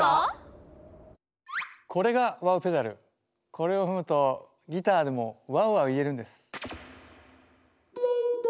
これを踏むとギターでも「ワウワウ」言えるんです。